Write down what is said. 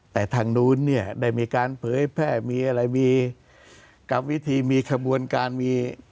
แต่ทางนู้นเนี่ยได้มีการเผยแพร่มีอะไรมีกับวิธีมีขบวนการมี